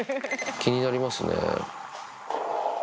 気になりますね。